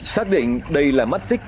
xác định đây là mắt xích của anh em